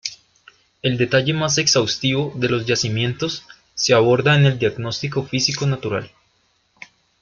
El detalle más exhaustivo de los yacimientos se aborda en el Diagnóstico Físico natural.